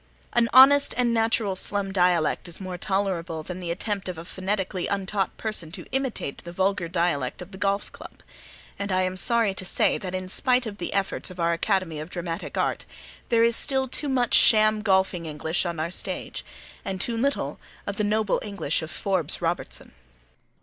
An honest and natural slum dialect is more tolerable than the attempt of a phonetically untaught person to imitate the vulgar dialect of the golf club; and I am sorry to say that in spite of the efforts of our Academy of Dramatic Art, there is still too much sham golfing English on our stage, and too little of the noble English of Forbes Robertson.